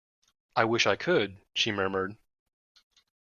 "I wish I could," she murmured.